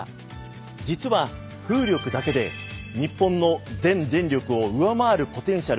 実は風力だけで日本の全電力を上回るポテンシャルが眠っています。